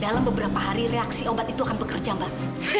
dalam beberapa hari reaksi obat itu akan bekerja mbak